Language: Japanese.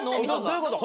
どういうこと？